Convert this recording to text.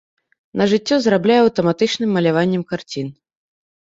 На жыццё зарабляю аўтаматычным маляваннем карцін.